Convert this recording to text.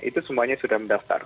itu semuanya sudah